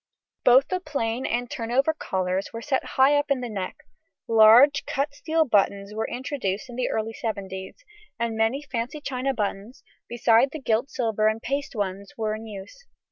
Both the plain and turn over collars were set up high in the neck, large cut steel buttons were introduced in the early seventies, and many fancy china buttons, besides the gilt silver and paste ones were in use.